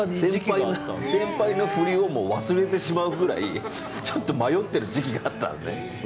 先輩の振りを忘れてしまうぐらいちょっと迷ってる時期があったのね。